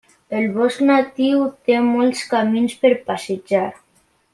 El bosc natiu té molts camins per passejar.